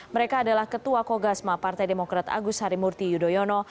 mereka adalah ketua kogasma partai demokrat agus harimurti yudhoyono